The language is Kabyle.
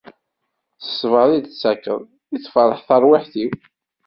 S ṣṣber i d-tettakeḍ i tferreḥ terwiḥt-iw.